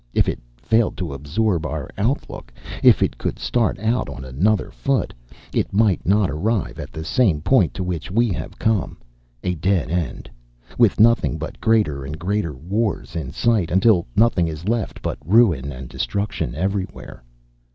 If it failed to absorb our outlook, if it could start out on another foot, it might not arrive at the same point to which we have come: a dead end, with nothing but greater and greater wars in sight, until nothing is left but ruin and destruction everywhere.